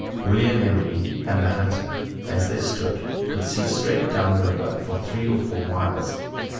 William Emery and the hunter, as they stood, could see straight down the river for three or four miles.